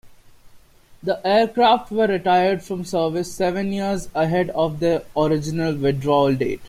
The aircraft were retired from service seven years ahead of their original withdrawal date.